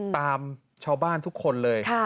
ตามชาวบ้านทุกคนเลย